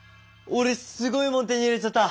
俺すごいもん手に入れちゃった。